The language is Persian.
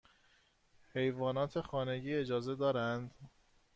حیوانات خانگی اجازه دارند؟